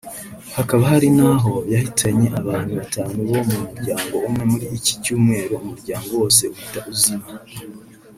hakaba hari n’aho yahitanye abantu batanu bo mu muryango umwe muri icyi cyumweru umuryango wose uhita uzima